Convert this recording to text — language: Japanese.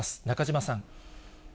中島さん。